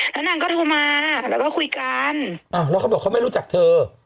แล้วนางก็โทรมาแล้วก็คุยกันอ้าวแล้วเขาบอกเขาไม่รู้จักเธอ